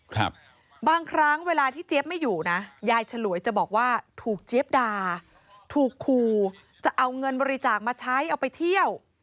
บางครั้งเวลาที่เจี๊ยบไม่อยู่นะยายฉลวยจะบอกว่าถูกเจี๊ยบด่าถูกคู่จะเอาเงินบริจาคมาใช้เอาไปเที่ยว